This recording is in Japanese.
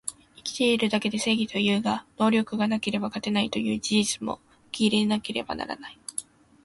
生きてるだけで正義というが、能力がなければ勝てないという事実も受け入れなければならない